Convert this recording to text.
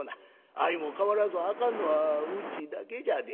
相も変わらずあかんのはうちだけじゃで」。